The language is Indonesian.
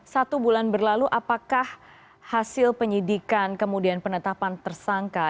satu bulan berlalu apakah hasil penyidikan kemudian penetapan tersangka